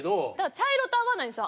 茶色と合わないんですよ